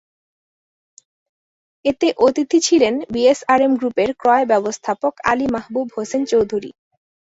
এতে অতিথি ছিলেন বিএসআরএম গ্রুপের ক্রয় ব্যবস্থাপক আলী মাহবুব হোসেন চৌধুরী।